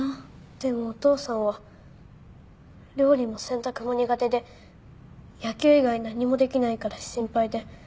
でもお父さんは料理も洗濯も苦手で野球以外何もできないから心配で。